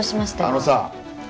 あのさ。